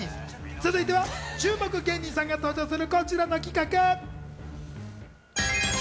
続いては注目芸人さんが登場するこちらの企画。